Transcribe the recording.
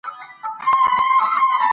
کاش مړی یې خپلې خاورې ته ورسیږي.